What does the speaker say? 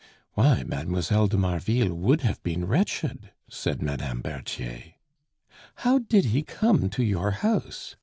"Why, Mlle. de Marville would have been wretched!" said Mme. Berthier. "How did he come to your house?"